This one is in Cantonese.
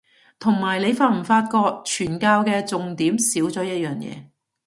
同埋你發唔發覺傳教嘅重點少咗一樣嘢